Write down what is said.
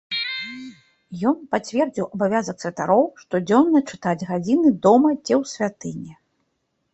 Ён пацвердзіў абавязак святароў штодзённа чытаць гадзіны дома ці ў святыні.